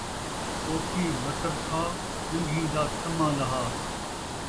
پوکھی مٹر کھا، ڄنگھیں دا طمع لہا